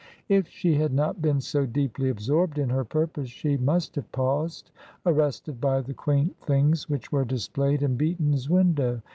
If she had not been so deeply absorbed in her purpose she must have paused, arrested by the quaint things which were displayed in Beaton's window.